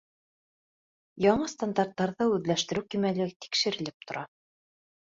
Яңы стандарттарҙы үҙләштереү кимәле тикшерелеп тора.